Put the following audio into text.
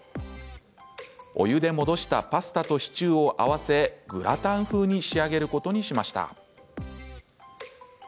お湯で戻したパスタとシチューを合わせグラタン風に仕上げることにしました。